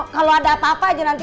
kalau ada apa apa aja nanti